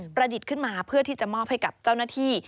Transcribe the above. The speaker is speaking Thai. ดิษฐ์ขึ้นมาเพื่อที่จะมอบให้กับเจ้าหน้าที่